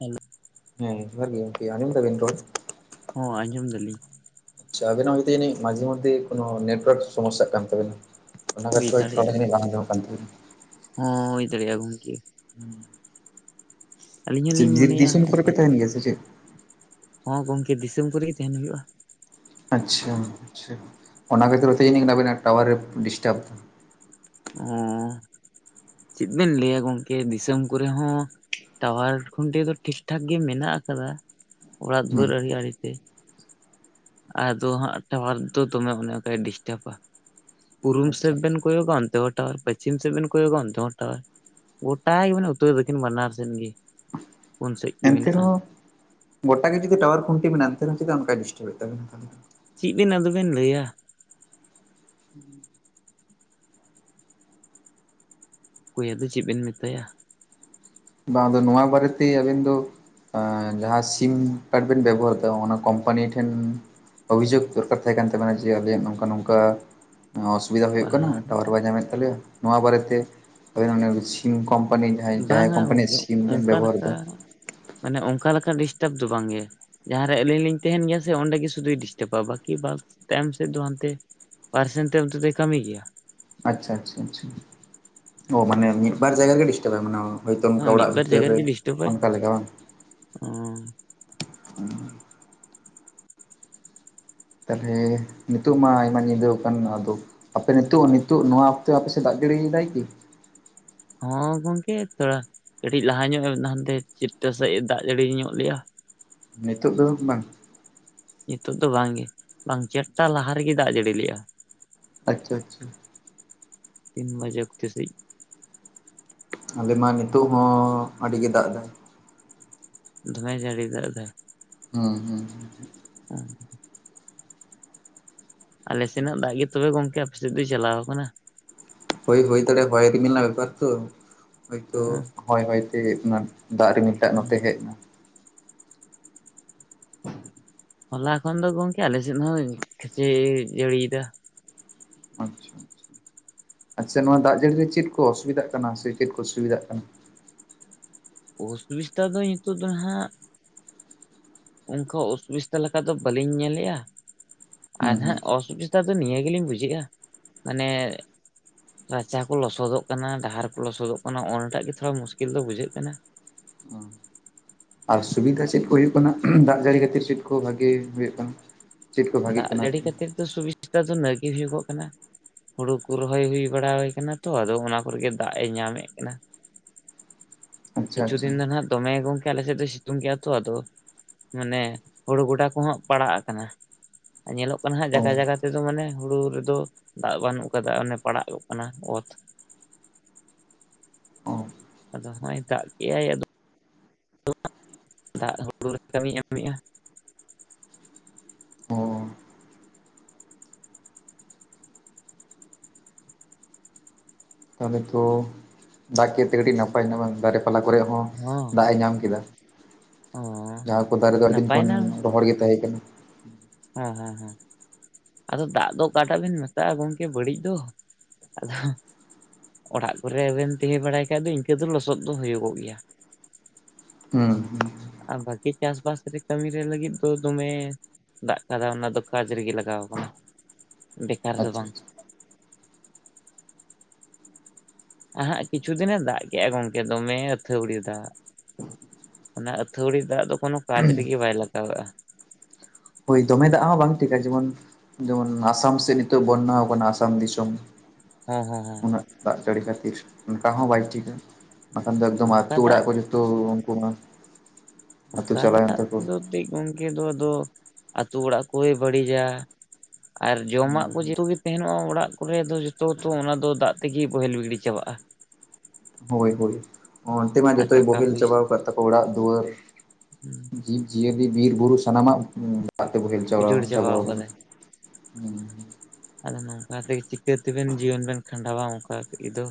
Hello, ᱦᱮᱸ ᱡᱚᱦᱟᱨ ᱜᱮ ᱜᱚᱝᱠᱮ ᱟᱸᱡᱚᱢ ᱫᱟᱵᱤᱱ ᱨᱚᱲ᱾ ᱦᱚᱸ ᱟᱸᱡᱚᱢ ᱫᱟᱞᱤᱧ᱾ ᱪᱷᱟ ᱟᱵᱤᱱᱟᱜ ᱦᱳᱭ ᱛᱚ ᱡᱟᱱᱤᱡ ᱢᱟᱡᱷᱮ ᱢᱚᱫᱽᱫᱷᱮ ᱠᱳᱱᱳ ᱱᱮᱴᱳᱣᱟᱠ ᱥᱳᱢᱳᱥᱥᱟᱜ ᱠᱟᱱ ᱛᱟᱵᱤᱱᱟ᱾ ᱚᱱᱟ ᱦᱩᱭ ᱠᱷᱟᱛᱤᱨ ᱦᱳᱭ ᱛᱚ ᱚᱸᱰᱮ ᱫᱟᱲᱮᱭᱟᱜᱼᱟ ᱡᱟᱱᱤᱡ ᱵᱟᱝ ᱟᱸᱡᱚᱢᱚᱜ ᱠᱟᱱ ᱛᱟᱱᱤᱱᱟ᱾ ᱦᱚᱸ ᱦᱳᱭ ᱫᱟᱲᱮᱜᱟ ᱜᱚᱝᱠᱮ᱾ ᱦᱩᱸ᱾ ᱟᱹᱞᱤᱧ ᱪᱮᱜ ᱦᱚᱞᱤᱧ ᱵᱤᱨ ᱢᱚᱱᱮᱭᱟ ᱫᱤᱥᱚᱢ ᱠᱚᱨᱮ ᱚᱱᱠᱟ ᱯᱮ ᱛᱟᱦᱮᱱ ᱜᱮᱭᱟ ᱥᱮ ᱪᱮᱫ? ᱦᱚᱸ ᱜᱚᱝᱠᱮ ᱫᱤᱥᱚᱢ ᱠᱚᱨᱮᱜ ᱛᱟᱦᱮᱱ ᱦᱩᱭᱩᱜᱼᱟ᱾ ᱟᱪᱷᱟ ᱟᱪᱷᱟ ᱚᱱᱟ ᱠᱷᱟᱹᱛᱤᱨ ᱛᱮ ᱟᱵᱤᱱᱟᱜ ᱴᱟᱣᱟᱨᱮ ᱰᱤᱥᱴᱟᱵ᱾ ᱚ ᱪᱮᱫ ᱵᱤᱱ ᱞᱟᱹᱭᱟ ᱜᱚᱝᱠᱮ ᱫᱤᱥᱚᱢ ᱠᱚᱨᱮ ᱦᱚᱸ᱾ ᱴᱟᱣᱟᱨ ᱠᱷᱚᱱᱴᱤ ᱫᱚ ᱴᱷᱤᱠ ᱴᱷᱟᱠ ᱜᱮ ᱢᱮᱱᱟᱜ ᱠᱟᱫᱟ ᱚᱲᱟᱜ ᱫᱩᱣᱟᱹᱨ ᱦᱩᱸ ᱟᱲᱮ ᱟᱲᱮ ᱛᱮ᱾ ᱟᱫᱚ ᱦᱟᱸᱜ ᱴᱟᱣᱟᱨ ᱫᱚ ᱫᱚᱢᱮ ᱚᱱᱮ ᱚᱱᱠᱟᱭ ᱰᱤᱥᱴᱟᱵᱟ᱾ ᱯᱩᱨᱩᱢ ᱥᱮ ᱟᱪᱪᱷᱟ ᱵᱤᱱ ᱠᱚᱭᱚᱜᱟ ᱚᱱᱛᱮ ᱦᱚ ᱴᱟᱣᱟᱨ ᱯᱚᱥᱪᱷᱤᱢ ᱥᱮᱫ ᱵᱤᱱ ᱠᱚᱭᱚᱜᱟ ᱚᱱᱛᱮ ᱦᱚᱸ ᱴᱟᱣᱟᱨ ᱜᱚᱴᱟᱜ ᱜᱮ ᱢᱮᱱᱟᱜᱟ ᱩᱛᱚᱨ ᱫᱚᱠᱷᱤᱱ ᱵᱟᱱᱟᱨ ᱥᱱ ᱜᱮ᱾ ᱯᱩᱱ ᱥᱮᱫ ᱜᱮ ᱮᱱᱛᱮ ᱨᱮ ᱢᱮᱱᱟᱜᱼᱟ ᱦᱚᱸ᱾ ᱜᱚᱴᱟ ᱜᱮ ᱡᱩᱫᱤ ᱴᱟᱣᱟᱨ ᱠᱷᱩᱱᱴᱤ ᱢᱮᱱᱟᱜᱟ ᱮᱱᱛᱮ ᱨᱮᱦᱚ ᱪᱮᱫᱟᱜ ᱚᱱᱠᱟᱭ ᱰᱤᱥᱴᱟᱯᱮᱫ ᱛᱟᱵᱤᱱᱟ᱾ ᱪᱮᱫ ᱵᱤᱱ ᱟᱫᱚ ᱵᱤᱱ ᱞᱟᱹᱭᱟ᱾ [unintelligible] ᱚᱠᱚᱭ ᱟᱫᱚ ᱪᱮᱫ ᱵᱤᱱ ᱢᱮᱛᱟᱭᱟ᱾ ᱵᱟᱝ ᱟᱫᱚ ᱱᱚᱣᱟ ᱵᱟᱨᱮᱛᱮ ᱟᱵᱤᱱ ᱫᱚ ᱡᱟᱦᱟᱸ ᱥᱤᱢ ᱠᱟᱨᱰ ᱵᱤᱱ ᱵᱮᱵᱚᱦᱟᱨ ᱫᱟ ᱚᱱᱟ ᱠᱚᱢᱯᱟᱱᱤ ᱴᱷᱮᱱ ᱚᱵᱷᱤᱡᱳᱜᱽ ᱫᱚᱨᱠᱟᱨ ᱛᱟᱦᱮᱸ ᱠᱟᱱ ᱛᱟᱵᱤᱱᱟ ᱡᱮ ᱟᱵᱤᱱᱟᱜ ᱱᱚᱝᱠᱟ ᱱᱚᱝᱠᱟ ᱚᱥᱩᱵᱤᱫᱟ ᱦᱳᱭᱳᱜ ᱠᱟᱱᱟ ᱵᱟᱝ ᱴᱟᱣᱟᱨ ᱵᱟᱭ ᱧᱟᱢᱮᱫ ᱛᱟᱞᱮᱭᱟ ᱱᱚᱣᱟ ᱵᱟᱨᱮᱛᱮ [unintelligible] ᱠᱤᱝ ᱠᱚᱢᱯᱟᱱᱤ ᱡᱟᱦᱟᱸᱭ ᱡᱟᱦᱟᱸᱭ ᱦᱟᱸ ᱠᱳᱢᱯᱟᱱᱤᱭᱟᱜ ᱜᱚᱝᱠᱮ ᱥᱤᱢ ᱵᱮᱱ ᱚᱝᱠᱟ ᱵᱮᱵᱚᱦᱟᱨ ᱞᱮᱠᱟ ᱮᱫᱟ ᱢᱟᱱᱮ ᱚᱝᱠᱟ ᱞᱮᱠᱟ ᱰᱤᱥᱴᱟᱯ ᱫᱚ ᱵᱟᱝ ᱜᱮ᱾ ᱡᱟᱦᱟᱸᱨᱮ ᱟᱹᱞᱤᱧ ᱞᱤᱧ ᱛᱟᱦᱮᱱ ᱜᱮᱭᱟ ᱥᱮ ᱚᱸᱰᱮ ᱜᱮ ᱥᱩᱫᱩᱭ ᱰᱤᱥᱴᱟᱵᱟ ᱵᱠᱤ ᱛᱟᱭᱚᱢ ᱥᱮᱫ ᱫᱚ ᱦᱟᱱᱛᱮ ᱯᱟᱨᱥᱮᱱ ᱛᱮ ᱚᱱᱛᱮ ᱫᱚᱭ ᱠᱟᱹᱢᱤ ᱜᱮᱭᱟ᱾ ᱟᱪᱷᱟ ᱟᱪᱷᱟ ᱟᱪᱷᱟ ᱚ ᱢᱟᱱᱮ ᱢᱤᱫ ᱵᱟᱨ ᱡᱟᱭᱜᱟ ᱜᱮᱭ ᱰᱤᱥᱴᱟᱵ ᱟᱭ ᱢᱟᱱᱮ᱾ ᱦᱳᱭᱛᱚ ᱚᱱᱠᱟ ᱢᱤᱫ ᱚᱲᱟᱜ ᱵᱷᱤᱛᱟᱹᱨ ᱨᱮ ᱚᱱᱠᱟ ᱞᱮᱠᱟ ᱵᱟᱝ᱾ ᱚᱸ ᱛᱟᱦᱚᱞᱮ ᱱᱤᱛᱚᱜ ᱢᱟ ᱟᱭᱢᱟ ᱧᱤᱸᱫᱟᱹ ᱠᱟᱱ ᱟᱫᱚ ᱟᱯᱮ ᱱᱤᱛᱚᱜ ᱱᱤᱛᱚᱜ ᱱᱚᱣᱟ ᱚᱠᱛᱮ ᱟᱯᱮ ᱥᱮᱫ ᱫᱟᱜ ᱡᱟ. ᱲᱤᱮᱫᱟᱭ ᱠᱤ? ᱦᱚᱸ ᱜᱚᱝᱠᱮ ᱛᱚᱲᱟ᱾ ᱠᱟᱹᱴᱤᱡ ᱞᱟᱦᱟ ᱧᱚᱜ ᱦᱟᱱᱛᱮ ᱥᱤᱞᱫᱟ ᱥᱮᱜ ᱮ ᱫᱟᱜ ᱡᱟᱹᱲᱤ ᱧᱚᱜ ᱞᱮᱜᱼᱟ᱾ ᱱᱤᱛᱳᱜ ᱫᱚ ᱵᱟᱝ᱾ ᱱᱤᱛᱚᱜ ᱫᱚ ᱵᱟᱝᱜᱮ ᱵᱟᱝ ᱪᱟᱨᱴᱟ ᱞᱟᱦᱟ ᱨᱮᱜᱮ ᱫᱟᱜ ᱡᱟᱹᱲᱤ ᱞᱮᱜ-ᱟ᱾ ᱟᱪᱪᱷᱟ ᱟᱪᱪᱷᱟ᱾ ᱛᱤᱱ ᱢᱟᱡᱟᱯ ᱛᱮ ᱥᱮᱜ ᱟᱞᱮ ᱢᱟ ᱱᱤᱛᱚᱜ ᱦᱚᱸ ᱟᱹᱰᱤ ᱜᱮ ᱫᱟᱜ ᱮᱫᱟᱭ᱾ ᱫᱚᱢᱮ ᱡᱟᱹᱲᱤ ᱫᱟᱜ ᱮᱫᱟ᱾ ᱦᱩᱸ ᱦᱩᱸ [unintelligible] ᱟᱞᱮ ᱥᱮᱱᱟᱜ ᱫᱟᱜ ᱜᱮ ᱛᱚᱵᱮ ᱜᱚᱝᱠᱮ ᱟᱯᱮᱥᱮᱫ ᱫᱚᱭ ᱪᱟᱞᱟᱣ ᱠᱟᱱᱟ᱾ ᱦᱳᱭ ᱦᱳᱭ ᱫᱟᱲᱮᱜᱼᱟ ᱦᱚᱭ ᱨᱤᱢᱤᱞ ᱨᱮᱱᱟᱜ ᱵᱮᱯᱟᱨ ᱛᱚ᱾ ᱦᱳᱭᱛᱚ ᱦᱚᱭ ᱦᱚᱭ ᱛᱮ ᱚᱱᱟ ᱫᱟᱜ ᱨᱤᱢᱤᱞᱴᱟᱜ ᱱᱚᱛᱮ ᱦᱮᱡ ᱦᱚᱞᱟ ᱠᱷᱚᱱ ᱫᱚ ᱜᱳᱝᱠᱮ ᱟᱞᱮ ᱥᱮᱱ ᱫᱚ ᱦᱚᱭ ᱡᱮ ᱡᱟᱹᱲᱤᱭᱮᱫᱟ᱾ ᱟᱪᱪᱷᱟ ᱟᱪᱪᱷᱟ ᱟᱪᱪᱷᱟ ᱱᱚᱣᱟ ᱫᱟᱜ ᱡᱟᱹᱲᱤ ᱨᱮ ᱪᱮᱫ ᱠᱚ ᱚᱥᱩᱵᱤᱫᱷᱟᱜ ᱠᱟᱱᱟ ᱥᱮ ᱪᱮᱫ ᱠᱚ ᱥᱩᱵᱤᱫᱷᱟᱜ ᱠᱟᱱᱟ? ᱩᱥ ᱩᱥᱴᱟ ᱫᱚᱭ ᱱᱤᱛᱳᱜ ᱫᱚ ᱱᱟᱦᱟᱜ ᱟᱱᱠᱟ ᱚᱥᱩᱵᱤᱫᱷᱟ ᱞᱮᱠᱟ ᱫᱚ ᱵᱟᱹᱞᱤᱧ ᱧᱮᱞᱮᱜᱼᱟ ᱟᱨ ᱦᱩᱸ ᱦᱟᱜ ᱦᱩᱸ ᱚᱥᱩᱵᱤᱥ ᱱᱮᱛᱟᱨ ᱫᱚ ᱱᱤᱭᱟᱹ ᱜᱮᱞᱤᱧ ᱵᱩᱡᱷᱮᱜ-ᱟ, ᱢᱟᱱᱮ ᱨᱟᱪᱟ ᱠᱚ ᱞᱚᱥᱚᱫᱚᱜ ᱠᱟᱱᱟ, ᱰᱟᱦᱟᱨ ᱠᱚ ᱞᱚᱥᱚᱫᱚᱜ ᱠᱟᱱᱟ, ᱚᱱᱟᱴᱟᱜ ᱜᱮ ᱛᱷᱚᱲᱟ ᱢᱩᱥᱠᱤᱞ ᱫᱚ ᱵᱩᱡᱷᱟᱹᱜ ᱠᱟᱱᱟ᱾ ᱟᱨ ᱥᱩᱵᱤᱫᱷᱟ ᱪᱮᱫ ᱠᱚ ᱦᱩᱭᱩᱜ ᱠᱟᱱᱟ ᱫᱟᱜ ᱡᱟᱹᱲᱤ ᱠᱷᱟᱹᱛᱤᱨ ᱪᱮᱫ ᱠᱚ ᱵᱷᱟᱜᱤ ᱦᱩᱭᱩᱜ ᱠᱟᱱᱟ? ᱪᱮᱫ ᱠᱚ ᱵᱷᱟᱜᱮᱜ ᱫᱟᱜ ᱠᱟᱱᱟ ᱡᱟᱹᱲᱤ ᱟᱨᱠᱤ ᱠᱷᱟᱹᱛᱤᱨ ᱫᱚ ᱥᱩᱵᱤᱫᱷᱟ ᱫᱚ ᱱᱟᱭᱜᱮ ᱦᱩᱭᱩᱜᱚᱜ ᱠᱟᱱᱟ ᱦᱩᱲᱩ ᱠᱚ ᱨᱚᱦᱚᱭ ᱦᱩᱭ ᱵᱟᱲᱟ ᱦᱩᱭ ᱠᱟᱱᱟ ᱛᱚ ᱟᱫᱚ ᱚᱱᱟ ᱠᱚᱨᱮ ᱜᱮ ᱫᱟᱜ ᱮ ᱧᱟᱢᱮᱜ ᱠᱟᱱᱟ᱾ ᱟᱪᱪᱷᱟ ᱠᱤᱪᱷᱩ ᱟᱪᱪᱷᱟ ᱫᱤᱱ ᱫᱚ ᱱᱟᱦᱜ ᱫᱚᱢᱮ ᱜᱚᱝᱠᱮ ᱟᱞᱮ ᱥᱮᱫ ᱫᱚ ᱥᱤᱛᱩᱝ ᱠᱮᱜᱼᱟ ᱛᱚ᱾ ᱟᱫᱚ ᱢᱟᱱᱮ ᱦᱩᱲᱩ ᱜᱚᱰᱟ ᱠᱚᱦᱚᱸ ᱯᱟᱲᱟᱜ ᱟᱠᱟᱱᱟ᱾ ᱧᱮᱞᱚᱜ ᱠᱟᱱᱟ ᱦᱟᱸᱜ ᱚ ᱡᱟᱜᱟ ᱡᱟᱜᱟ ᱛᱮᱫᱚ ᱢᱟᱱᱮ ᱦᱩᱲᱩ ᱨᱮᱫᱚ ᱫᱟᱜ ᱵᱟᱹᱱᱩᱜ ᱠᱟᱫᱟ ᱚᱱᱮ ᱯᱟᱲᱟᱜ ᱜᱚᱜ ᱠᱟᱱᱟ ᱚᱛ᱾ ᱚ ᱟᱫᱚ ᱦᱚᱸᱜᱚᱭ ᱫᱟᱜ ᱠᱮᱜᱼᱟᱭ ᱟᱫᱚ ᱫᱟᱜ ᱦᱩᱲᱩ ᱨᱮ ᱠᱟᱹᱢᱤ ᱧᱟᱢᱮᱜ-ᱟ᱾ ᱚ ᱛᱟᱦᱚᱞᱮ ᱛᱚ ᱫᱟᱜ ᱠᱮᱜ ᱛᱮ ᱟᱹᱰᱤ ᱱᱟᱯᱟᱭ ᱱᱟ ᱵᱟᱝ, ᱫᱟᱨᱮ ᱯᱟᱞᱟ ᱠᱚᱨᱮᱜ ᱦᱚᱸ ᱫᱟᱜ ᱮ ᱧᱟᱢ ᱠᱮᱫᱟ᱾ ᱦᱚᱸ ᱡᱟᱦᱟᱸ ᱠᱚ ᱫᱟᱨᱮ ᱫᱚ ᱟ. ᱰᱤ ᱫᱤᱱ ᱱᱟᱯᱟᱭ ᱠᱷᱚᱱ ᱨᱚᱦᱚᱲ ᱜᱮ ᱛᱟᱦᱮᱸ ᱠᱟᱱᱟ᱾ ᱦᱮᱸ ᱦᱮᱸ ᱦᱮᱸ᱾ ᱟᱫᱚ ᱫᱟᱜ ᱫᱚ ᱚᱠᱟᱴᱟᱜ ᱵᱤᱱ ᱢᱮᱛᱟᱜᱼᱟ ᱜᱚᱢᱠᱮ ᱵᱟᱹᱲᱤᱡ ᱫᱚ ᱟᱫᱚ᱾ ᱚᱲᱟᱜ ᱠᱚᱨᱮᱵᱮᱱ ᱛᱟᱦᱮᱸ ᱵᱟᱲᱟᱭ ᱠᱷᱟᱡ ᱫᱚ ᱤᱱᱠᱟᱹ ᱫᱚ ᱞᱚᱥᱚᱫ ᱫᱚ ᱦᱩᱭᱩᱜᱚᱜ ᱜᱮᱭᱟ᱾ ᱦᱩᱸ᱾ ᱟᱨ ᱵᱷᱟᱜᱮ ᱪᱟᱥᱵᱟᱥ ᱨᱮ ᱠᱟᱹᱢᱤ ᱨᱮ ᱞᱟᱹᱜᱤᱫ ᱫᱚ ᱫᱚᱢᱮ ᱫᱟᱜ ᱠᱟᱫᱟ ᱚᱱᱟ ᱫᱚ ᱠᱟᱡᱽ ᱨᱮᱜᱮ ᱞᱟᱜᱟᱣ ᱠᱟᱱᱟ ᱵᱮᱠᱟᱨ ᱫᱚ ᱟᱪᱪᱷᱟ ᱵᱟᱝ᱾ ᱟᱪᱪᱷᱟ ᱟᱦᱟᱸᱜ ᱠᱤᱪᱷᱩ ᱫᱤᱱᱮ ᱫᱟᱜ ᱠᱮᱜᱼᱟ ᱜᱚᱝᱠᱮ ᱫᱚᱢᱮ ᱟᱹᱛᱷᱟᱹᱣᱲᱤ ᱫᱟᱜ᱾ ᱚᱱᱟ ᱟᱹᱛᱷᱟᱹᱣᱲᱤ ᱫᱟᱜ ᱫᱚ ᱠᱳᱱᱳ ᱠᱟᱡ ᱨᱮᱜᱮ ᱵᱟᱭ ᱞᱟᱜᱟᱣ ᱞᱟᱜᱼᱟ᱾ ᱦᱳᱭ ᱫᱚᱢᱮ ᱫᱟᱜ ᱦᱚᱸ ᱵᱟᱝ ᱴᱷᱤᱠᱟ ᱡᱮᱢᱚᱱ ᱡᱮᱢᱚᱱ ᱟᱥᱟᱢ ᱥᱮᱜ ᱱᱤᱛᱚᱜ ᱵᱚᱧᱱᱟᱣ ᱠᱟᱱᱟ ᱟᱥᱟᱢ ᱫᱤᱥᱚᱢ᱾ ᱦᱚᱸ ᱦᱚᱸ ᱦᱚᱸ᱾ ᱩᱱᱟᱹᱜ ᱫᱟᱜ ᱡᱟᱹᱲᱤ ᱠᱷᱟᱹᱛᱤᱨ, ᱫᱟᱜ ᱦᱚᱸ ᱵᱟᱭ ᱴᱷᱤᱠ ᱵᱟᱠᱷᱟᱱ ᱫᱚ ᱮᱠᱫᱚᱢ ᱚᱱᱠᱟ ᱟᱹᱛᱩ ᱚᱲᱟᱜ ᱫᱟᱜ ᱠᱚ ᱡᱚ ᱛᱚ ᱩᱱᱠᱩ ᱵᱟᱝ ᱠᱷᱟᱛᱤᱨ ᱪᱟᱞᱟᱣᱮᱱ ᱛᱟᱠᱚ ᱴᱤᱡ ᱜᱚᱝᱠᱮ ᱫᱚ ᱟᱫᱚ ᱟᱛᱩ ᱚᱲᱟᱜ ᱠᱚᱭ ᱵᱟᱹᱲᱤᱡᱟ᱾ ᱟᱨ ᱡᱚᱢᱟᱜ ᱦᱩᱸ ᱠᱚ ᱡᱚᱛᱚ ᱜᱮ ᱛᱟᱦᱮᱱᱚᱜ-ᱟ ᱚᱲᱟᱜ ᱠᱚᱨᱮ ᱫᱚ ᱡᱚᱛᱚ ᱛᱚ ᱚᱱᱟ ᱫᱚ ᱫᱟᱜ ᱛᱮᱜᱮ ᱵᱳᱦᱮᱞ ᱜᱲᱤ ᱪᱟᱵᱟᱜ-ᱟ ᱾ ᱦᱳᱭ ᱦᱳᱭ ᱚᱱᱛᱮ ᱢᱟ ᱟᱨ ᱡᱚᱛᱚᱭ ᱴᱟᱠᱟ ᱵᱳᱦᱮᱞ ᱯᱚᱭᱥᱟ ᱪᱟᱵᱟᱣ ᱠᱟᱜ ᱛᱟᱠᱚ ᱚᱲᱟᱜ ᱫᱩᱣᱟᱹᱨ᱾ ᱡᱤᱵᱽ ᱡᱤᱭᱟᱹᱞᱤ ᱵᱤᱨ ᱵᱩᱨᱩ ᱥᱟᱱᱟᱢᱟᱜ [inaudible] ᱛᱮ ᱵᱚᱦᱮᱞ ᱪᱟᱞᱟᱣ ᱩᱡᱟᱹᱲ ᱪᱟᱵᱟ ᱪᱟᱵᱟᱣ ᱟᱠᱟᱱᱟ ᱠᱟᱫᱟᱭ ᱾ [inaudible] ᱟᱫᱚ ᱱᱚᱝᱠᱟ ᱛᱮᱜᱮ ᱪᱤᱠᱟᱹᱛᱮᱱ ᱵᱮᱱ ᱡᱤᱭᱚᱱ ᱵᱮᱱ ᱠᱷᱟᱸᱰᱟᱣᱟ ᱚᱝᱠᱟ ᱛᱮ ᱫᱚ?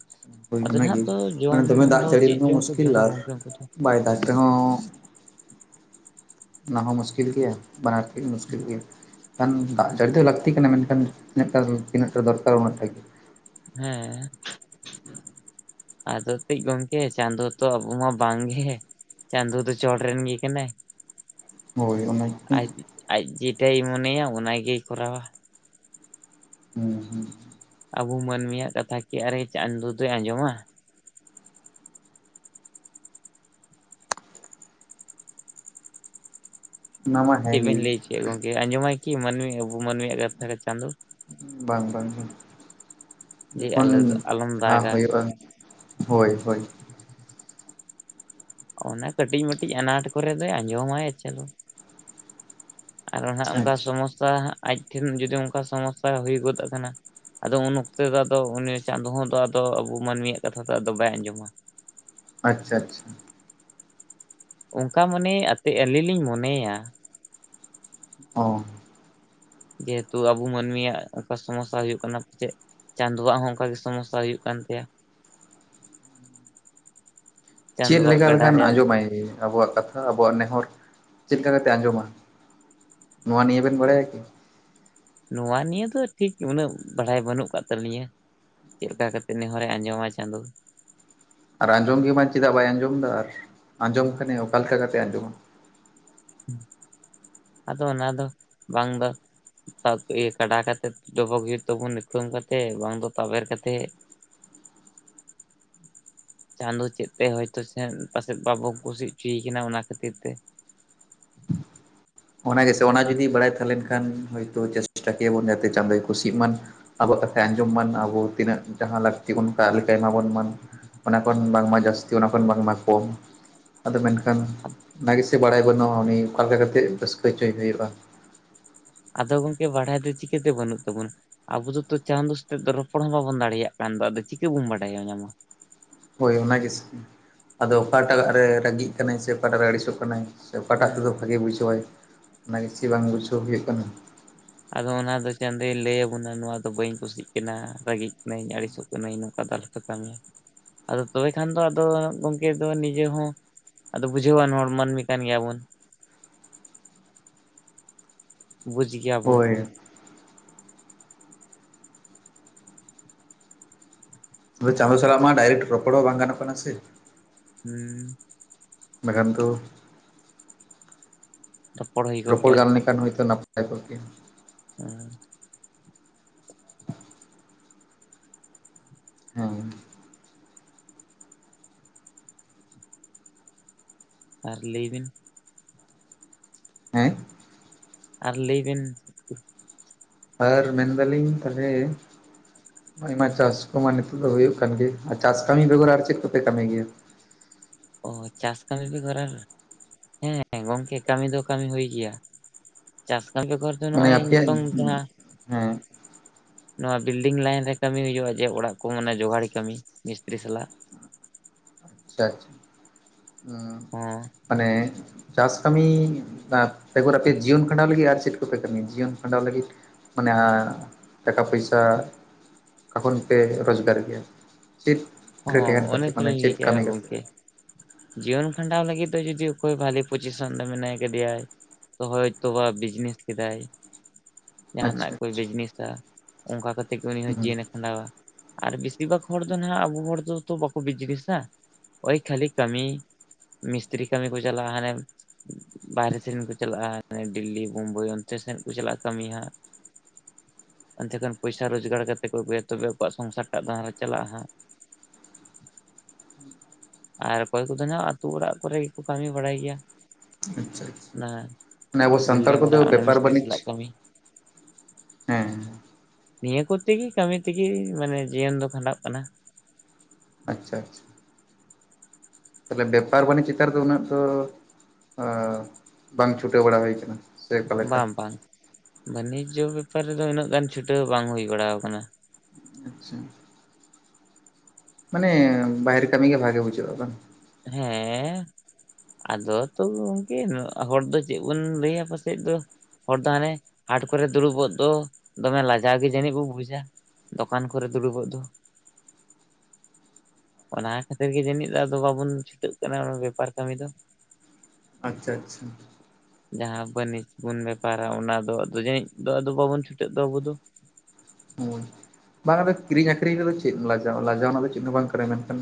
[unintelligible] ᱟᱫᱚ ᱱᱟᱦᱟᱸᱜ ᱛᱚ ᱢᱟᱱᱮ ᱡᱚᱢ ᱫᱚᱢᱮ ᱫᱟᱜ ᱫᱚ ᱡᱟᱹᱲᱤ ᱪᱮᱫᱽ ᱨᱮᱦᱚᱸ ᱪᱚᱝ ᱠᱚ ᱢᱩᱥᱠᱤᱞ ᱡᱚᱢᱟ ᱟᱨ ᱜᱚᱝᱠᱮ ᱩᱝᱠᱩ ᱫᱚ᱾ [unintelligible] ᱵᱟᱭ ᱫᱟᱜᱽ ᱨᱮᱦᱚᱸ ᱚᱱᱟ ᱦᱚᱸ ᱢᱩᱥᱠᱤᱞ ᱜᱮᱭᱟ ᱵᱟᱱᱟᱨ ᱛᱮᱜᱮ ᱢᱩᱥᱠᱤᱞ ᱜᱮᱭᱟ ᱾ ᱠᱷᱟᱱ ᱫᱟᱜ ᱡᱟᱹᱲᱤ ᱫᱚ ᱞᱟᱹᱠᱛᱤ ᱠᱟᱱᱟ, ᱢᱮᱱᱠᱷᱟᱱ [unintelligible] ᱴᱟᱱ ᱛᱤᱱᱟᱹᱜ ᱴᱟ ᱫᱚᱨᱠᱟᱨ ᱩᱱᱟᱹᱜ ᱴᱟᱜ ᱜᱮ᱾ ᱦᱮᱸ᱾ ᱟᱫᱚ ᱠᱟᱹᱡ ᱜᱚᱝᱠᱮ ᱪᱟᱸᱫᱳ ᱛᱚ ᱟᱵᱚ ᱢᱟ ᱵᱟᱝᱜᱮ ᱾ ᱪᱟᱸᱫᱳ ᱫᱚ ᱪᱚᱴ ᱨᱮᱱ ᱜᱮ ᱠᱟᱱᱟᱭ᱾ ᱦᱳᱭ ᱚᱱᱟ [inaudible] ᱟᱡ ᱟᱡ ᱡᱮᱴᱟᱭᱮ ᱢᱚᱱᱮᱭᱟ ᱚᱱᱟᱜᱮᱭ ᱠᱚᱨᱟᱣ-ᱟ᱾ ᱦᱩᱸ ᱦᱩᱸ᱾ ᱟᱵᱚ ᱢᱟᱹᱱᱢᱤᱭᱟᱜ ᱠᱟᱛᱷᱟ ᱠᱤ ᱟᱨᱮ ᱪᱟᱸᱫᱳ ᱫᱚᱭ ᱟᱸᱡᱚᱢᱟ᱾ ᱚᱱᱟ ᱢᱟ ᱪᱮᱫ ᱦᱮᱸᱜᱮ ᱵᱮᱱ ᱞᱟᱹᱭ ᱚᱪᱚᱭᱮᱫ ᱜᱚᱝᱠᱮ ᱟᱸᱡᱚᱢᱟᱭ ᱠᱤ ᱢᱟᱹᱱᱢᱤ ᱟᱵᱚ ᱢᱟᱹᱱᱢᱤᱭᱟᱜ ᱠᱟᱛᱷᱟ ᱠᱚ ᱪᱟᱸᱫᱳ? ᱵᱟᱝ ᱵᱟᱝ ᱡᱮ ᱡᱚᱠᱷᱚᱱ ᱟᱞᱮ ᱟᱞᱚᱢ ᱡᱟᱦᱟᱸ ᱫᱟᱜᱟ ᱦᱳᱭᱳᱜ-ᱟ ᱦᱳᱭ ᱦᱳᱭ᱾ ᱚᱱᱮ ᱠᱟᱹᱴᱤᱡ ᱢᱟᱹᱴᱤᱡ ᱟᱱᱟᱴ ᱠᱚᱨᱮ ᱫᱚᱭ ᱟᱸᱡᱚᱢᱟᱭ [inaudible] ᱟᱨ ᱱᱟᱦᱟᱸᱜ ᱚᱝᱠᱟ ᱟᱪᱪᱷᱟ ᱥᱚᱢᱚᱥᱥᱟ ᱟᱡ ᱴᱷᱮᱱ ᱡᱩᱫᱤ ᱚᱝᱠᱟ ᱥᱚᱢᱚᱥᱥᱟ ᱦᱩᱭ ᱜᱚᱫᱚᱜ ᱠᱟᱱᱟ ᱾ ᱟᱫᱚ ᱩᱱ ᱚᱠᱛᱮ ᱫᱚ ᱟᱫᱚ ᱩᱱᱤ ᱪᱟᱸᱫᱳ ᱦᱚᱸ ᱫᱚ ᱟᱫᱚ ᱟᱵᱚ ᱢᱟᱹᱱᱢᱤᱭᱟᱜ ᱠᱟᱛᱷᱟ ᱫᱚ ᱟᱫᱚ ᱵᱟᱭ ᱟᱸᱡᱚᱢᱟ᱾ ᱟᱪᱪᱷᱟ ᱟᱪᱪᱷᱟ᱾ ᱚᱝᱠᱟ ᱢᱚᱱᱮ ᱟᱛᱮᱫ ᱟᱹᱞᱤᱧ ᱞᱤᱧ ᱢᱚᱱᱮᱭᱟ ᱾ ᱚ᱾ ᱡᱮᱦᱮᱛᱩ ᱟᱵᱚ ᱢᱟᱹᱱᱢᱤᱭᱟᱜ ᱥᱚᱢᱚᱥᱥᱟ ᱦᱩᱭᱩᱜ ᱠᱟᱱᱟ [inaudible] ᱪᱟᱸᱫᱳᱣᱟᱜ ᱦᱚᱸ ᱚᱝᱠᱟ ᱜᱮ ᱥᱚᱢᱚᱥᱥᱟ ᱦᱩᱭᱩᱜ ᱠᱟᱱ ᱛᱟᱭᱟ ᱾ ᱪᱮᱫᱽ ᱪᱟᱸᱫᱳᱣᱟᱜ ᱞᱮᱠᱟ ᱜᱟᱰᱟ ᱞᱮᱠᱟᱱ ᱨᱮᱭᱟᱜ ᱟᱸᱡᱚᱢᱟᱭ? ᱟᱵᱚᱣᱟᱜ ᱠᱟᱛᱷᱟ, ᱟᱵᱚᱣᱟᱜ ᱱᱮᱦᱚᱨ, ᱪᱮᱫ ᱞᱮᱠᱟ ᱠᱟᱛᱮ ᱟᱸᱡᱚᱢᱟ, ᱱᱚᱣᱟ ᱱᱤᱭᱟᱹ ᱵᱮᱱ ᱵᱟᱲᱟᱭᱟ ᱠᱤ? ᱱᱚᱣᱟ ᱱᱤᱭᱟᱹ ᱫᱚ ᱴᱷᱤᱠ ᱩᱱᱟᱹᱜ ᱵᱟᱲᱟᱭ ᱵᱟᱹᱱᱩᱜ ᱠᱟᱫ ᱛᱟᱹᱞᱤᱧᱟᱹ᱾ ᱪᱮᱫᱽ ᱞᱮᱠᱟ ᱠᱟᱛᱮ ᱱᱮᱦᱚᱨᱮ ᱟᱸᱡᱚᱢᱟ ᱪᱟᱸᱫᱩ᱾ ᱟᱨ ᱟᱸᱡᱚᱢ ᱜᱮᱢᱟ ᱪᱮᱫᱟᱜ ᱵᱟᱭ ᱟᱸᱡᱚᱢᱫᱟ, ᱟᱨ ᱟᱸᱡᱚᱢ ᱠᱷᱟᱱᱮ ᱚᱠᱟ ᱞᱮᱠᱟ ᱠᱟᱛᱮ ᱟᱸᱡᱚᱢᱟ? ᱟᱫᱚ ᱚᱱᱟ ᱫᱚ ᱵᱟᱝ ᱫᱚ [inaudible] ᱤᱭᱟᱹ ᱠᱟᱰᱟ ᱠᱟᱛᱮᱫ, ᱰᱚᱵᱚᱜ ᱦᱩᱭᱩᱜ ᱛᱟᱵᱚᱱ ᱤᱠᱷᱲᱩᱢ ᱠᱟᱛᱮᱜ, ᱵᱟᱝ ᱫᱚ ᱛᱟᱵᱮᱨ ᱠᱟᱛᱮᱫ᱾ ᱪᱟᱸᱫᱳ ᱪᱮᱫᱽ ᱛᱮ ᱦᱚᱭᱛᱚ ᱥᱮᱫ ᱯᱟᱥᱮᱫ ᱵᱟᱵᱚ ᱠᱩᱥᱤ ᱦᱚᱪᱚᱭᱮ ᱠᱟᱱᱟ, ᱚᱱᱟ ᱠᱷᱟᱹᱛᱤᱨ ᱛᱮ᱾ ᱚᱱᱟ ᱜᱮᱥᱮ ᱚᱱᱟ ᱡᱩᱫᱤ ᱵᱟᱲᱟᱭ ᱛᱟᱦᱮᱸ ᱞᱮᱱ ᱠᱷᱟᱱ ᱦᱳᱭ ᱛᱚ [inaudible] ᱠᱮᱭᱟᱵᱚᱱ ᱡᱟᱛᱮ ᱪᱟᱸᱫᱳᱭ ᱠᱩᱥᱤᱜ ᱢᱟᱱ ᱾ ᱟᱵᱚᱣᱟᱜ ᱠᱟᱛᱷᱟᱭ ᱟᱸᱡᱚᱢ ᱢᱟᱱ, ᱟᱵᱚ ᱛᱤᱱᱟᱹᱜ ᱡᱟᱦᱟᱸ ᱞᱟᱹᱠᱛᱤ ᱚᱱᱠᱟ ᱞᱮᱠᱟᱭ ᱮᱢᱟ ᱵᱚᱱ ᱢᱟᱱ᱾ ᱚᱱᱟ ᱠᱷᱚᱱ ᱵᱟᱝᱢᱟ ᱡᱟᱹᱥᱛᱤ, ᱚᱱᱟ ᱠᱷᱚᱱ ᱵᱟᱝᱢᱟ ᱠᱚᱢ᱾ ᱟᱫᱚ ᱢᱮᱱᱠᱷᱟᱱ ᱚᱱᱟᱜᱮ ᱥᱮ ᱵᱟᱲᱟᱭ ᱵᱟᱹᱱᱩᱜ-ᱟ, ᱩᱱᱤ ᱚᱠᱟ ᱞᱮᱠᱟ ᱠᱟᱛᱮᱜ ᱨᱟᱹᱥᱠᱟᱹ ᱦᱚᱪᱚᱭ ᱦᱩᱭᱩᱜ-ᱟ᱾ ᱟᱫᱚ ᱜᱚᱝᱠᱮ ᱵᱟᱲᱦᱟᱭ ᱫᱚ ᱪᱤᱠᱟᱹᱛᱮ ᱵᱟᱹᱱᱩᱜ ᱛᱟᱵᱚᱱᱟ? ᱟᱵᱚ ᱫᱚᱛᱚ ᱪᱟᱸᱫᱳ ᱥᱟᱛᱮᱜ ᱫᱚ ᱨᱚᱯᱚᱲ ᱦᱚᱸ ᱵᱟᱵᱚᱱ ᱫᱟᱲᱮᱭᱟᱜ ᱠᱟᱱ ᱫᱚ ᱟᱫᱚ ᱪᱤᱠᱟᱹ ᱵᱚᱱ ᱵᱟᱰᱟᱭᱟ ᱧᱟᱢᱟ᱾ ᱦᱳᱭ ᱚᱱᱟ ᱜᱮᱥᱮ ᱟᱫᱚ ᱚᱠᱟᱴᱟᱜ ᱨᱮ ᱨᱟᱹᱜᱤᱜ ᱠᱟᱱᱟᱭ ᱥᱮ ᱚᱠᱟᱴᱟᱜ ᱨᱮ ᱟᱹᱲᱤᱥᱚᱜ ᱠᱟᱱᱟᱭ᱾ ᱥᱮ ᱚᱠᱟᱴᱟᱜ ᱛᱮᱫᱚ ᱦᱮᱸ ᱵᱷᱟᱜᱮ ᱵᱩᱡᱷᱟᱹᱣᱟᱭ [inaudible] ᱵᱟᱝ ᱵᱩᱡᱷᱟᱹᱣ ᱦᱩᱭᱩᱜ ᱠᱟᱱᱟ᱾ ᱟᱫᱚ ᱚᱱᱟ ᱫᱚ ᱪᱟᱸᱫᱳᱭ ᱞᱟᱹᱭᱟᱵᱚᱱᱟ ᱱᱚᱣᱟ ᱫᱚ ᱵᱟᱹᱧ ᱠᱩᱥᱤᱜ ᱠᱟᱱᱟ, ᱨᱟᱹᱜᱤᱜ ᱠᱟᱹᱱᱟᱹᱧ ᱟᱹᱲᱤᱥᱚᱜ ᱠᱟᱹᱱᱟᱹᱧ᱾ ᱟᱫᱚ ᱟᱞᱚᱯᱮ ᱠᱟᱹᱢᱤᱭᱟ, ᱟᱫᱚ ᱛᱚᱵᱮ ᱠᱷᱟᱱ ᱫᱚ ᱟᱫᱚ ᱜᱚᱢᱠᱮ ᱫᱚ ᱱᱤᱡᱮ ᱦᱚᱸ ᱟᱫᱚ ᱵᱩᱡᱷᱟᱹᱣᱟᱱ ᱦᱚᱲ ᱢᱟᱹᱱᱢᱤ ᱠᱟᱱ ᱜᱮᱭᱟ ᱵᱚᱱ᱾ ᱵᱩᱡ ᱜᱮᱭᱟ ᱵᱩᱱ᱾ ᱦᱳᱭ ᱪᱟᱸᱫᱳ ᱟᱫᱚ ᱥᱟᱞᱟᱜ ᱪᱮᱫ ᱢᱟ ᱰᱟᱭᱨᱮᱴ ᱨᱚᱯᱚᱲ ᱦᱚᱸ ᱵᱟᱝ ᱜᱟᱱᱚᱜ ᱠᱟᱱᱟ ᱥᱮ᱾ ᱦᱩᱸ᱾ ᱵᱟᱠᱷᱟᱱ ᱛᱳ᱾ ᱦᱩᱭ ᱠᱚᱜ ᱨᱚᱯᱚᱲ ᱜᱟᱱ ᱞᱮᱠᱷᱟᱱ ᱦᱳᱭ ᱛᱚ ᱱᱟᱯᱟᱭ ᱠᱚᱜ ᱠᱮᱭᱟ᱾ ᱦᱮᱸ᱾ ᱦᱮᱸ᱾ ᱟᱨ ᱞᱟᱹᱭ ᱵᱮᱱ᱾ ᱦᱮᱸ᱾ ᱟᱨ ᱞᱟᱹᱭ ᱵᱮᱱ᱾ ᱟᱨ ᱢᱮᱱ ᱫᱟᱞᱤᱧ ᱛᱟᱦᱚᱞᱮ᱾ ᱟᱭᱢᱟ ᱪᱟᱥ ᱠᱚᱢᱟ ᱱᱤᱛᱚᱜ ᱫᱚ ᱦᱩᱭᱩᱜ ᱠᱟᱱ ᱜᱮ ᱟᱨ ᱪᱟᱥ ᱠᱟᱹᱢᱤ ᱵᱮᱜᱚᱨ ᱟᱨ ᱪᱮᱫ ᱠᱚᱯᱮ ᱠᱟᱹᱢᱤ ᱜᱮᱭᱟ? ᱚᱸ ᱪᱟᱥ ᱠᱟᱹᱢᱤ ᱵᱮᱜᱚᱨ ᱟᱨ ᱦᱮᱸ ᱜᱚᱝᱠᱮ ᱠᱟᱹᱢᱤ ᱫᱚ ᱠᱟᱹᱢᱤ ᱦᱩᱭ ᱜᱮᱭᱟ᱾ ᱪᱟᱥ ᱠᱟᱹᱢᱤ ᱵᱮᱜᱚᱨ ᱫᱚ ᱢᱟᱱᱮ ᱱᱚᱜᱼᱚᱭ ᱟᱯᱮᱭᱟᱜ ᱱᱤᱛᱚᱝ ᱦᱮᱸ ᱡᱟᱦᱟᱸ᱾ ᱟᱪᱪᱷᱟ ᱱᱚᱣᱟ ᱵᱤᱞᱰᱤᱝ ᱞᱟᱭᱤᱱ ᱨᱮ ᱠᱟᱹᱢᱤ ᱦᱩᱭᱩᱜᱼᱟ, ᱡᱮ ᱚᱲᱟᱜ ᱠᱚ ᱢᱟᱱᱮ ᱡᱳᱜᱟᱲᱤ ᱠᱟᱹᱢᱤ ᱢᱤᱥᱛᱤᱨᱤ ᱥᱟᱞᱟᱜ᱾ ᱟᱪᱪᱷᱟ ᱟᱪᱪᱷᱟ, ᱦᱩᱸ᱾ ᱦᱮᱸ᱾ ᱢᱟᱱᱮ᱾ ᱪᱟᱥ ᱠᱟᱹᱢᱤ ᱵᱟ ᱵᱮᱜᱚᱨ ᱟᱯᱮ ᱡᱤᱭᱚᱱ ᱠᱷᱟᱸᱰᱟᱣ ᱞᱟᱹᱜᱤᱫ ᱟᱨ ᱪᱮᱫ ᱠᱚᱯᱮ ᱠᱟᱹᱢᱤᱭᱟ ᱡᱤᱭᱚᱱ ᱠᱷᱟᱸᱰᱟᱣ ᱞᱟᱹᱜᱤᱫ? ᱢᱟᱱᱮ ᱟᱸ ᱴᱟᱠᱟ ᱯᱚᱭᱥᱟ ᱚᱠᱟᱠᱷᱚᱱ ᱯᱮ ᱨᱳᱡᱽᱜᱟᱨ ᱜᱮᱭᱟ? ᱪᱮᱫ [inaudible] ᱠᱟᱛᱮ ᱦᱚᱸ ᱚᱱᱮ ᱢᱟᱱᱮ ᱛᱚᱞᱤᱧ ᱞᱟᱹᱭ ᱪᱮᱫ? ᱠᱮᱜᱼᱟ ᱠᱟᱹᱢᱤ ᱠᱟᱛᱮ ᱜᱚᱝᱠᱮ ᱡᱤᱭᱚᱱ ᱠᱷᱟᱸᱰᱟᱣ ᱞᱟᱹᱜᱤᱫ ᱫᱚ ᱡᱩᱫᱤ ᱚᱠᱚᱭ ᱵᱷᱟᱞᱤ ᱯᱚᱡᱤᱥᱚᱱ ᱫᱚ ᱢᱮᱱᱟᱭ ᱠᱟᱫᱮᱭᱟᱭ᱾ ᱦᱳᱭ ᱛᱚ ᱵᱟ ᱵᱤᱡᱽᱱᱮᱥ ᱠᱮᱫᱟᱭ᱾ ᱡᱟᱦᱟᱱᱟᱜ ᱟᱪᱪᱷᱟ ᱠᱚᱭ ᱟᱪᱪᱷᱟ ᱵᱤᱡᱽᱱᱮᱥ ᱫᱟ ᱚᱱᱠᱟ ᱠᱟᱛᱮ ᱜᱮ ᱩᱱᱤ ᱦᱚᱸ ᱦᱩᱸ ᱡᱤᱭᱚᱱᱼᱮ ᱠᱷᱟᱸᱰᱟᱣᱟ ᱟᱨ ᱵᱤᱥ ᱼᱥᱤᱨ ᱵᱷᱟᱜᱽ ᱦᱚᱲ ᱫᱚ ᱱᱟᱦᱟᱜ ᱟᱵᱚ ᱦᱚᱲ ᱫᱚ ᱛᱚ ᱵᱟᱠᱚ ᱵᱤᱡᱽᱱᱮᱥᱟ ᱳᱭ ᱠᱷᱟᱹᱞᱤ ᱠᱟᱹᱢᱤ᱾ ᱢᱤᱥᱛᱤᱨᱤ ᱠᱟᱹᱢᱤ ᱠᱚ ᱪᱟᱞᱟᱜᱼᱟ ᱦᱟᱱᱮ᱾ ᱵᱟᱦᱨᱮ ᱥᱮᱱ ᱠᱚ ᱪᱟᱞᱟᱜᱼᱟ ᱰᱤᱞᱞᱤ ᱵᱳᱢᱵᱟᱭ ᱚᱱᱛᱮ ᱥᱮᱱ ᱠᱚ ᱪᱟᱞᱟᱜᱼᱟ ᱠᱟᱹᱢᱤ ᱦᱟᱸᱜ᱾ ᱚᱱᱛᱮ ᱠᱷᱚᱱ ᱯᱚᱭᱥᱟ ᱨᱳᱡᱽᱜᱟᱨ ᱠᱟᱛᱮ ᱠᱚ ᱟᱜᱩᱭᱟ ᱛᱚᱵᱮ ᱟᱠᱚᱣᱟᱜ ᱥᱚᱝᱥᱟᱨ ᱴᱟᱜ ᱫᱚ ᱦᱟᱱᱮ ᱪᱟᱞᱟᱜᱼᱟ ᱦᱟᱸᱜ᱾ ᱟᱨ ᱚᱠᱚᱭ ᱠᱚᱫᱚ ᱱᱟᱦᱟᱸᱜ ᱟᱹᱛᱩ ᱚᱲᱟᱜ ᱠᱚᱨᱮ ᱜᱮᱠᱚ ᱠᱟᱹᱢᱤ ᱵᱟᱲᱟᱭ ᱜᱮᱭᱟ᱾ ᱟᱪᱪᱷᱟ ᱟᱪᱪᱷᱟ, ᱚᱱᱟ ᱢᱟᱱᱮ ᱟᱵᱚ ᱥᱟᱱᱛᱟᱲ ᱵᱤᱞᱰᱤᱝ ᱠᱚᱫᱚ ᱚᱲᱟᱜ ᱚᱱᱟ ᱵᱮᱯᱟᱨ ᱢᱤᱥᱛᱨᱤ ᱵᱟᱹᱱᱤᱡᱽ᱾ ᱥᱟᱞᱟᱜ ᱠᱟᱹᱢᱤ ᱦᱮᱸ᱾ ᱱᱤᱭᱟᱹ ᱠᱚ ᱛᱮᱜᱮ ᱠᱟᱹᱢᱤ ᱛᱮᱜᱮ ᱢᱟᱱᱮ ᱡᱤᱭᱚᱱ ᱫᱚ ᱠᱷᱟᱸᱰᱟᱜ ᱠᱟᱱᱟ᱾ ᱟᱪᱷᱟ ᱟᱪᱷᱟ᱾ ᱛᱟᱦᱚᱞᱮ ᱵᱮᱯᱟᱨ ᱵᱟᱹᱱᱤᱡᱽ ᱪᱮᱛᱟᱱ ᱨᱮᱫᱚ ᱩᱱᱟᱹᱜ ᱫᱚ ᱟᱸ ᱵᱟᱝ ᱪᱷᱩᱴᱟᱹᱣ ᱵᱟᱲᱟ ᱦᱩᱭ ᱠᱟᱱᱟ᱾ ᱵᱟᱝ ᱵᱟᱝ ᱵᱟᱹᱱᱤᱡᱽ ᱵᱮᱯᱟᱨ ᱨᱮᱫᱚ ᱩᱱᱟᱹᱜ ᱜᱟᱱ ᱪᱷᱩᱴᱟᱹᱣ ᱵᱟᱝ ᱦᱩᱭ ᱵᱟᱲᱟᱣ ᱠᱟᱱᱟ᱾ ᱟᱪᱷᱟ᱾ ᱢᱟᱱᱮ ᱵᱟᱦᱨᱮ ᱠᱟᱹᱢᱤ ᱜᱮ ᱵᱷᱟᱜᱮ ᱵᱩᱡᱷᱟᱹᱜᱼᱟ ᱵᱟᱝ᱾ ᱦᱮᱸ᱾ ᱟᱫᱚ ᱛᱚᱵᱮ ᱜᱚᱝᱠᱮ ᱦᱚᱲ ᱫᱚ ᱪᱮᱫ ᱵᱚᱱ ᱞᱟᱹᱭᱟ ᱯᱟᱥᱮ ᱫᱚ᱾ ᱦᱚᱲ ᱫᱚ ᱦᱟᱱᱮ ᱦᱟᱴ ᱠᱚᱨᱮ ᱫᱩᱲᱩᱵᱚᱜ ᱫᱚ ᱫᱚᱢᱮ ᱞᱟᱡᱟᱣ ᱜᱮ ᱡᱟᱹᱱᱤᱡ ᱵᱳ ᱵᱩᱡᱟ᱾ ᱫᱚᱠᱟᱱ ᱠᱚᱨᱮ ᱫᱩᱲᱩᱵᱚᱜ ᱫᱚ᱾ ᱚᱱᱟ ᱠᱷᱟᱹᱛᱤᱨ ᱜᱮ ᱡᱟᱹᱱᱤᱡ ᱫᱚ ᱟᱫᱚ ᱵᱟᱵᱚᱱ ᱪᱷᱩᱴᱟᱹᱜ ᱠᱟᱱᱟ ᱵᱮᱯᱟᱨ ᱠᱟᱹᱢᱤ ᱫᱚ᱾ ᱟᱪᱷᱟ ᱟᱪᱷᱟ᱾ ᱡᱟᱦᱟᱸ ᱵᱟᱹᱱᱤᱡᱽ ᱵᱩᱱ ᱵᱮᱯᱟᱨᱟ ᱚᱱᱟ ᱫᱚ ᱟᱫᱚ ᱡᱟᱹᱱᱤᱡ ᱫᱚ ᱟᱫᱚ ᱵᱟᱵᱚᱱ ᱪᱷᱩᱴᱟᱹᱜ ᱫᱚ ᱟᱵᱚ ᱫᱚ᱾ ᱦᱳᱭ᱾ ᱵᱟᱝ ᱟᱫᱚ ᱠᱤᱨᱤᱧ ᱟᱠᱷᱨᱤᱧ ᱨᱮᱫᱚ ᱪᱮᱫ ᱞᱟᱡ ᱞᱟᱡᱟᱣ ᱨᱮᱱᱟᱜ ᱫᱚ ᱪᱮᱫ ᱦᱚᱸ ᱵᱟᱝ ᱠᱟᱱᱟ, ᱢᱮᱱᱠᱷᱟᱱ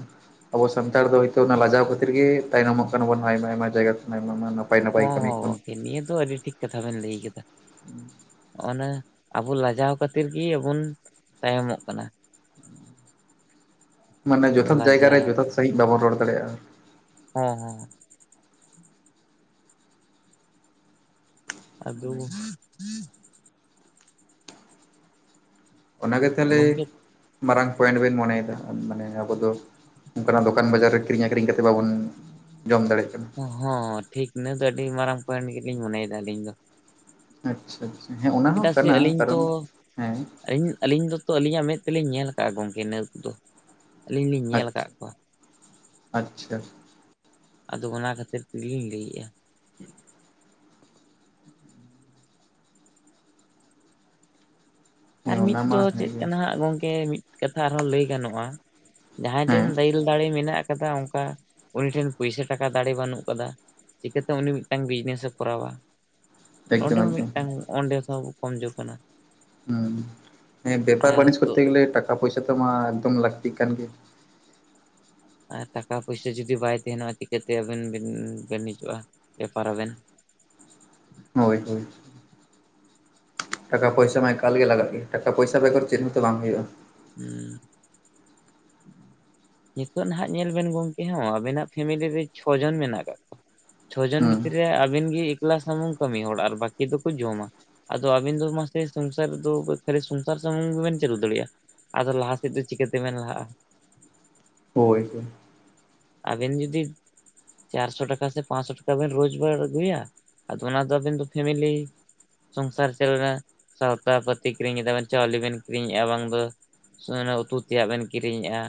ᱟᱵᱚ ᱥᱟᱱᱛᱟᱲ ᱫᱚ ᱦᱤᱛᱳᱜ ᱚᱱᱟ ᱞᱟᱡᱟᱣ ᱠᱷᱟᱛᱤᱨ ᱜᱮ ᱛᱟᱭᱱᱚᱢᱚᱜ ᱠᱟᱱᱟ ᱵᱚᱱ ᱟᱭᱢᱟ ᱟᱭᱢᱟ ᱡᱟᱭᱜᱟ ᱠᱷᱚᱱᱟ ᱟᱭᱢᱟ ᱟᱭᱢᱟ ᱱᱟᱯᱟᱭ ᱦᱚᱸ ᱠᱟᱹᱢᱤ ᱦᱚᱸ ᱠᱷᱚᱱ ᱜᱚᱝᱠᱮ ᱱᱤᱭᱟᱹ ᱫᱚ ᱟᱹᱰᱤ ᱴᱷᱤᱠ ᱠᱟᱛᱷᱟ ᱵᱮᱱ ᱞᱟᱹᱭ ᱠᱟᱫᱟ᱾ ᱚᱱᱟ ᱟᱵᱚ ᱞᱟᱡᱟᱣ ᱠᱷᱟᱹᱛᱤᱨ ᱜᱮ ᱟᱵᱚᱱ ᱛᱟᱭᱚᱢᱚᱜ ᱠᱟᱱᱟ᱾ ᱢᱟᱱᱮ ᱡᱚᱛᱷᱟᱛ ᱡᱟᱭᱜᱟ ᱨᱮ ᱞᱟᱡᱟᱣ ᱡᱚᱛᱷᱟᱛ ᱥᱟᱹᱦᱤᱡ ᱵᱟᱵᱚᱱ ᱨᱚᱲ ᱫᱟᱲᱮᱭᱟᱜᱼᱟ᱾ ᱦᱮᱸ ᱦᱮᱸ᱾ ᱟᱫᱚ ᱚᱱᱟᱜᱮ ᱛᱟᱦᱚᱞᱮ ᱜᱚᱝᱠᱮ ᱢᱟᱨᱟᱝ ᱯᱚᱭᱮᱱᱴ ᱵᱮᱱ ᱢᱚᱱᱮᱭᱮᱫᱟ ᱢᱟᱱᱮ ᱟᱵᱚ ᱫᱚ ᱚᱱᱠᱟᱱᱟᱜ ᱫᱚᱠᱟᱱ ᱵᱟᱡᱟᱨ ᱨᱮ ᱠᱤᱨᱤᱧ ᱟᱠᱷᱨᱤᱧ ᱠᱟᱛᱮᱫ ᱵᱟᱵᱚᱱ ᱡᱚᱢ ᱫᱟᱲᱮᱜ ᱠᱟᱱᱟ᱾ ᱦᱚᱸ ᱴᱷᱤᱠ ᱤᱱᱟᱹ ᱫᱚ ᱟᱹᱰᱤ ᱢᱟᱨᱟᱝ ᱯᱚᱭᱮᱱᱴ ᱜᱮᱞᱤᱧ ᱢᱚᱱᱮᱭᱮᱫᱟ ᱟᱹᱞᱤᱧ ᱫᱚ᱾ ᱟᱪᱪᱷᱟ ᱟᱪᱷᱟ ᱦᱮᱸ ᱟᱱᱟ ᱪᱮᱫᱟᱜ ᱥᱮ ᱟᱹᱞᱤᱧ ᱛᱚ ᱟᱹᱞᱤᱧ ᱟᱹᱞᱤᱧ ᱫᱚ ᱛᱚ ᱟᱹᱞᱤᱧᱟᱜ ᱢᱮᱫ ᱛᱮᱞᱤᱧ ᱧᱮᱞ ᱟᱠᱟᱫᱼᱟ ᱜᱚᱝᱠᱮ ᱱᱟᱹᱣ ᱠᱫᱚ᱾ ᱟᱹᱞᱤᱧ ᱞᱤᱧ ᱧᱮᱞ ᱟᱪᱪᱷᱟ ᱟᱠᱟᱫ ᱠᱚᱣᱟ᱾ ᱟᱪᱪᱷᱟ᱾ ᱟᱫᱚ ᱚᱱᱟ ᱠᱷᱟᱹᱛᱤᱨ ᱛᱤᱞᱤᱧ ᱞᱟᱹᱭᱮᱜᱼᱟ᱾ ᱟᱨ ᱦᱮᱸ ᱢᱤᱫ ᱚᱱᱟ ᱢᱟ ᱫᱚ ᱪᱮᱫ ᱦᱮᱸᱜᱮ ᱠᱟᱱᱟ ᱦᱟᱸᱜ ᱜᱚᱝᱠᱮ ᱢᱤᱫ ᱠᱟᱛᱷᱟ ᱟᱨᱦᱚᱸ ᱞᱟᱹᱭ ᱜᱟᱱᱚᱜᱼᱟ᱾ ᱡᱟᱦᱟᱸᱭ ᱴᱷᱮᱱ ᱦᱮᱸ ᱫᱤᱞ ᱫᱟᱹᱞ ᱫᱟᱲᱮ ᱢᱮᱱᱟᱜ ᱟᱠᱟᱫᱟ ᱚᱱᱠᱟ ᱩᱱᱤ ᱴᱷᱮᱱ ᱯᱚᱭᱥᱟ ᱴᱟᱠ ᱠᱟ ᱫᱟᱲᱮ ᱵᱟᱹᱱᱩᱜ ᱟᱠᱟᱫᱟ, ᱪᱤᱠᱟᱹᱛᱮ ᱩᱱᱤ ᱢᱤᱫᱴᱟᱝ ᱵᱤᱡᱽᱱᱮᱥᱮ ᱠᱚᱨᱟᱣᱟ᱾ ᱱᱚᱸᱰᱮ ᱮᱠᱫᱚᱢ ᱦᱚᱸ ᱮᱠᱫᱚᱢ ᱢᱤᱫᱴᱟᱝ ᱚᱸᱰᱮ ᱛᱮᱦᱚᱸ ᱠᱚᱢ ᱡᱚ ᱠᱟᱱᱟ᱾ ᱦᱩᱸ᱾ ᱦᱮᱸ ᱵᱮᱯᱟᱨ ᱟᱨ ᱵᱟᱹᱱᱤᱡᱽ ᱛᱚ ᱠᱚᱨᱛᱮ ᱜᱮᱞᱮ ᱴᱟᱠᱟ ᱯᱚᱭᱥᱟ ᱛᱚ ᱢᱟ ᱮᱠᱫᱚᱢ ᱞᱟᱹᱠᱛᱤᱜ ᱠᱟᱱ ᱜᱮ᱾ ᱟᱨ ᱴᱟᱠᱟ ᱯᱚᱭᱥᱟ ᱡᱩᱫᱤ ᱵᱟᱭ ᱛᱟᱦᱮᱱᱟ ᱪᱤᱠᱟᱹᱛᱮ ᱟᱵᱮᱱ ᱵᱮᱱ ᱵᱟᱱᱤᱡᱚᱜᱼᱟ ᱵᱮᱯᱟᱨᱟᱵᱮᱱ᱾ ᱦᱳᱭ ᱦᱳᱭ᱾ ᱴᱟᱠᱟ ᱯᱚᱭᱥᱟ ᱢᱟ ᱮᱠᱟᱞ ᱜᱮ ᱞᱟᱜᱟᱜ ᱜᱮᱭᱟ᱾ ᱴᱟᱠᱟ ᱯᱚᱭᱥᱟ ᱵᱮᱜᱚᱨ ᱪᱮᱫ ᱦᱚᱸᱛᱚ ᱵᱟᱝ ᱦᱩᱭᱩᱜᱼᱟ᱾ ᱦᱮᱸ᱾ ᱱᱤᱛᱚᱜ ᱱᱟᱦᱟᱜ ᱧᱮᱞ ᱵᱮᱱ ᱜᱚᱢᱠᱮ ᱦᱚᱸ ᱟᱵᱤᱱᱟᱜ ᱯᱷᱮᱢᱮᱞᱤ ᱨᱮ ᱪᱷᱚ ᱡᱚᱱ ᱢᱮᱱᱟᱜ ᱟᱠᱟᱜ ᱠᱚᱣᱟ᱾ ᱪᱷᱚ ᱡᱚᱱ ᱦᱩᱸ ᱵᱷᱤᱛᱨᱤ ᱨᱮ ᱟᱹᱵᱤᱱ ᱜᱮ ᱮᱠᱞᱟ ᱥᱩᱢᱩᱝ ᱠᱟᱹᱢᱤ ᱦᱚᱲ ᱟᱨ ᱵᱟᱹᱠᱤ ᱫᱚᱠᱚ ᱡᱚᱢᱟ᱾ ᱟᱫᱚ ᱟᱵᱤᱱ ᱫᱚ ᱢᱟᱥᱮ ᱥᱚᱝᱥᱟᱨ ᱨᱮᱫᱚ ᱠᱷᱟᱹᱞᱤ ᱥᱚᱝᱥᱟᱨ ᱥᱩᱢᱩᱝ ᱜᱮᱵᱮᱱ ᱪᱟᱹᱞᱩ ᱫᱟᱲᱮᱭᱟᱜᱼᱟ᱾ ᱟᱫᱚ ᱞᱟᱦᱟ ᱥᱮᱫ ᱫᱚ ᱪᱤᱠᱟᱹᱛᱮᱵᱮᱱ ᱞᱟᱦᱟᱜᱼᱟ᱾ ᱦᱳᱭ ᱛᱚ᱾ ᱟᱵᱮᱱ ᱡᱩᱫᱤ ᱪᱟᱨᱥᱚ ᱴᱟᱠᱟ ᱥᱮ ᱯᱟᱸᱪᱥᱚ ᱴᱟᱠᱟ ᱵᱮᱱ ᱨᱳᱡᱽᱜᱟᱨ ᱟᱹᱜᱩᱭᱟ᱾ ᱟᱫᱚ ᱚᱱᱟ ᱫᱚ ᱟᱵᱤᱱ ᱫᱚ ᱯᱷᱮᱢᱮᱞᱤ ᱥᱚᱝᱥᱟᱨ ᱪᱟᱣᱱᱟ, ᱥᱟᱶᱛᱟ ᱯᱟᱹᱛᱤ ᱠᱤᱨᱤᱧᱮᱫᱟᱵᱮᱱ ᱪᱟᱣᱞᱮ ᱵᱮᱱ ᱠᱤᱨᱤᱧᱮᱫᱼᱟ ᱵᱟᱝ ᱫᱚ᱾ ᱥᱮ ᱚᱱᱟ ᱩᱛᱩ ᱛᱮᱭᱟᱜ ᱵᱮᱱ ᱠᱤᱨᱤᱧᱮᱜᱼᱟ᱾